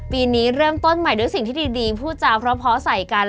ปีนี้เริ่มต้นใหม่ด้วยสิ่งที่ดีผู้จาพร้อมพอสายกัน